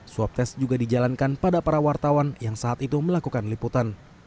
swab test juga dijalankan pada para wartawan yang saat itu melakukan liputan